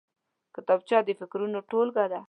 کتابچه د فکرونو ټولګه ده